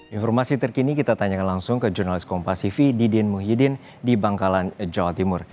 informasi terkini kita tanyakan langsung ke jurnalis kompasifi didin muhyiddin di bangkalan jawa timur